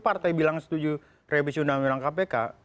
partai bilang setuju revisi undang undang kpk